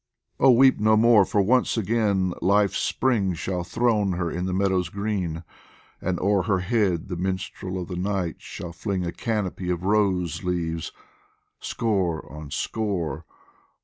Oh, weep no more ! for once again Life's Spring Shall throne her in the meadows green, and o'er Her head the minstrel of the night shall fling A canopy of rose leaves, score on score.